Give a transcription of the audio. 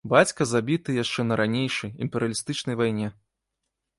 Бацька забіты яшчэ на ранейшай, імперыялістычнай, вайне.